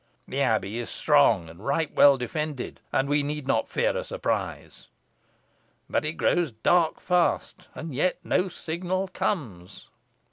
The abbey is strong, and right well defended, and we need not fear a surprise. But it grows dark fast, and yet no signal comes."